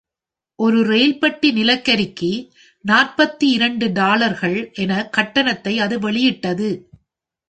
ஒரு ரயில்பெட்டி நிலக்கரிக்கு நாற்பத்து இரண்டு டாலர்கள் என கட்டணத்தை அது வெளியிட்டது.